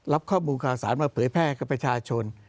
รับข้อมูลข่าวสารมาเผยแพร่กับประชาชน